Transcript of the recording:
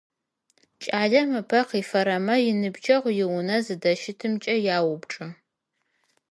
Кӏалэм ыпэ кифэрэмэ иныбджэгъу иунэ зыдыщытымкӏэ яупчӏыщтыгъ.